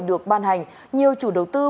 được ban hành nhiều chủ đầu tư